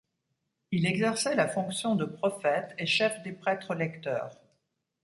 Il exerçait la fonction de prophète et chef des prêtres-lecteurs.